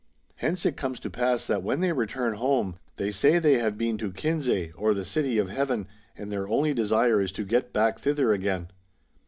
Hence it comes to pass that when they return home they say they have been to Kinsay or the City of Heaven, and their only desire is to get back thither again.